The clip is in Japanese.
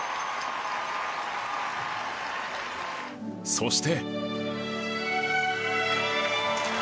そして